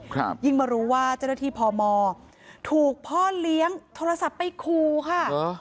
ครับยิ่งมารู้ว่าเจ้าหน้าที่พมถูกพ่อเลี้ยงโทรศัพท์ไปคูค่ะเหรอ